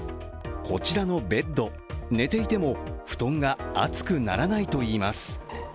こちらのベッド、寝ていても布団が熱くならないといいます。